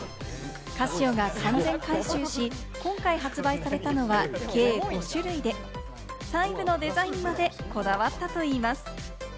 カシオが完全監修し、今回発売されたのは計５種類で、細部のデザインまでこだわったといいます。